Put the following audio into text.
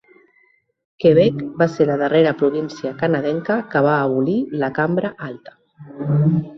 Quebec va ser la darrera província canadenca que va abolir la Cambra Alta.